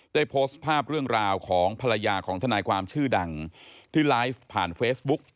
ได้โพสต์ภาพเรื่องราวของภรรยาของทนายความชื่อดังที่ไลฟ์ผ่านเฟซบุ๊ก